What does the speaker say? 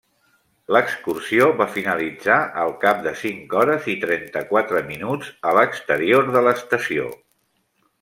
L'excursió va finalitzar al cap de cinc hores i trenta-quatre minuts a l'exterior de l'estació.